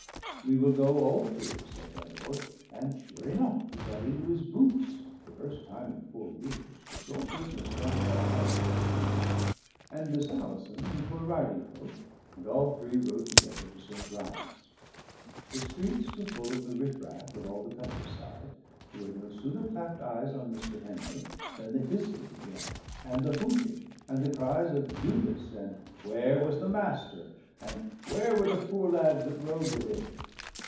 "We will go all three," said my lord; and sure enough he got into his boots (the first time in four years a sore business John Paul had to get them on), and Miss Alison into her riding coat, and all three rode together to St. Bride's. The streets were full of the riff raff of all the countryside, who had no sooner clapped eyes on Mr. Henry than the hissing began, and the hooting, and the cries of "Judas!" and "Where was the Master?" and "Where were the poor lads that rode with him?"